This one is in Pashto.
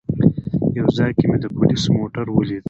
یو ځای کې مې د پولیسو موټر ولید.